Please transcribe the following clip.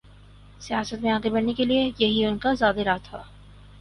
سیاست میں آگے بڑھنے کے لیے یہی ان کا زاد راہ تھا۔